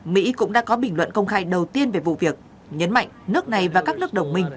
mỹ cũng đã có bình luận công khai đầu tiên về vụ việc nhấn mạnh nước này và các nước đồng minh